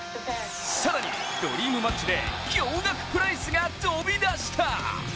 更にドリームマッチで驚がくプライスが飛び出した！